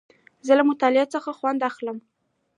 زه له مطالعې څخه خوند اخلم.